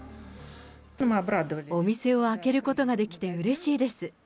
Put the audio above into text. お店を開けることができてうれしいです。